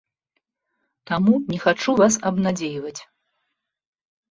Таму не хачу вас абнадзейваць.